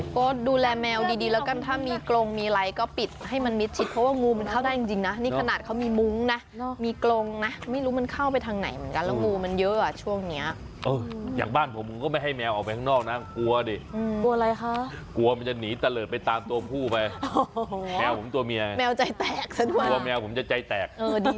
ก็ดูแลแมวดีดีแล้วกันถ้ามีกรงมีอะไรก็ปิดให้มันมิดชิดเพราะว่างูมันเข้าได้จริงนะนี่ขนาดเขามีมุ้งนะมีกรงนะไม่รู้มันเข้าไปทางไหนเหมือนกันแล้วงูมันเยอะอ่ะช่วงเนี้ยอย่างบ้านผมผมก็ไม่ให้แมวออกไปข้างนอกนะกลัวดิกลัวอะไรคะกลัวมันจะหนีตะเลิศไปตามตัวผู้ไปแมวผมตัวเมียแมวใจแตกซะด้วยกลัวแมวผมจะใจแตกเออดี